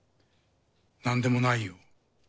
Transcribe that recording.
なんでもないよ。